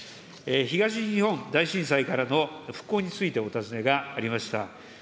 東日本大震災からの復興についてお尋ねがありました。